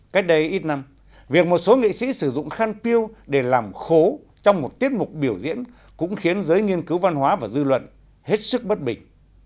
cách đây ít năm việc một số nghệ sĩ sử dụng khăn piêu để làm khố trong một tiết mục biểu diễn cũng khiến giới nghiên cứu văn hóa và dư luận hết sức bất bình